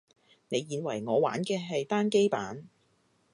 你以為我玩嘅係單機版